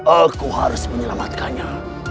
aku harus menyelamatkannya